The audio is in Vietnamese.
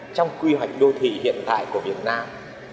trong quy hoạch đô thị hiện tại của việt nam